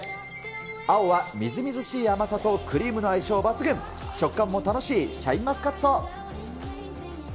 青はみずみずしい甘さとクリームの相性抜群、食感も楽しいシャインマスカット。